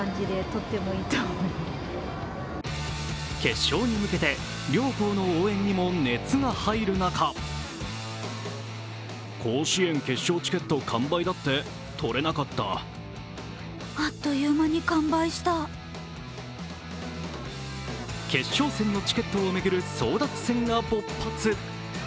決勝に向けて、両校の応援にも熱が入る中決勝戦のチケットを巡る争奪戦が勃発。